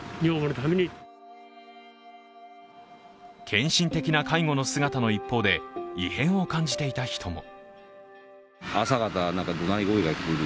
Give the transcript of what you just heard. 献身的な介護の姿の一方で、異変を感じていた人も。